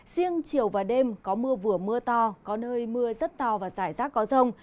riêng chiều và đêm có mưa vừa mưa to có nơi mưa rất to và rải rác có rông